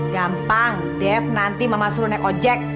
gampang dev nanti mama suruh naik ojek